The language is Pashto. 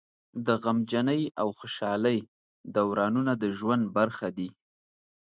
د غمجنۍ او خوشحالۍ دورانونه د ژوند برخه دي.